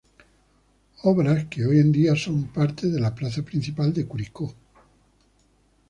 Obras que hoy en día son parte de la plaza principal de Curicó.